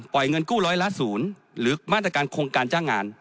ปล่อยเงินกู้ร้อยละศูนย์